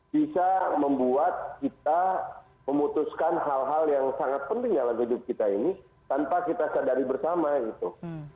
bisa membuat kita memutuskan hal hal yang sangat penting dalam hidup kita ini tanpa kita sadari bersama gitu